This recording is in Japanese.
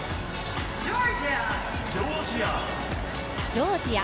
ジョージア。